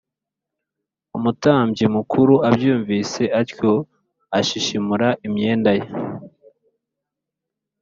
Umutambyi mukuru abyumvise atyo ashishimura imyenda ye